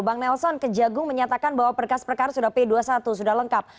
bang nelson kejagung menyatakan bahwa berkas perkara sudah p dua puluh satu sudah lengkap